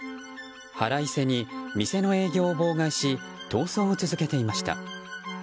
腹いせに店の営業を妨害し逃走を続けていました。